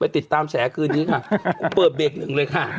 ติดตามแฉคืนนี้ค่ะกูเปิดเบรกหนึ่งเลยค่ะ